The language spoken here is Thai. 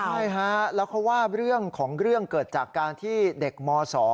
ใช่ฮะแล้วเขาว่าเรื่องของเรื่องเกิดจากการที่เด็กม๒